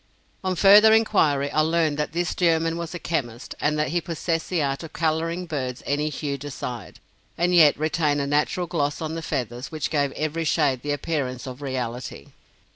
On further inquiry, I learned that this German was a chemist, and that he possessed the art of coloring birds any hue desired, and yet retain a natural gloss on the feathers, which gave every shade the appearance of reality.